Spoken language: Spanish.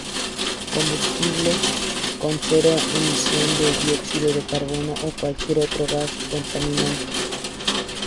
Combustibles con cero emisiones de dióxido de carbono, o cualquier otro gas contaminante.